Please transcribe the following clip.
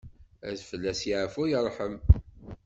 Ad fell-as yeɛfu yerḥem.